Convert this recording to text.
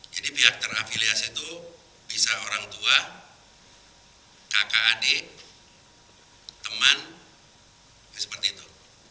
jadi pihak terafiliasi itu bisa orang tua kakak adik teman seperti itu